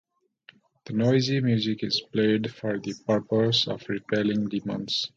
The noisy music is played for the purpose of repelling demons.